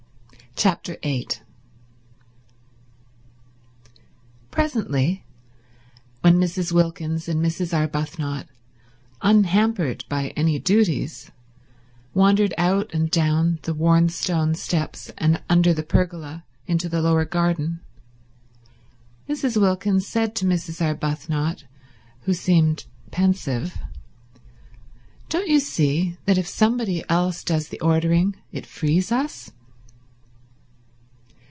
Chapter 8 Presently, when Mrs. Wilkins and Mrs. Arbuthnot, unhampered by any duties, wandered out and down the worn stone steps and under the pergola into the lower garden, Mrs. Wilkins said to Mrs. Arbuthnot, who seemed pensive, "Don't you see that if somebody else does the ordering it frees us?"